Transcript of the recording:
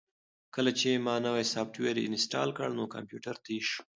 کله چې ما نوی سافټویر انسټال کړ نو کمپیوټر تېز شو.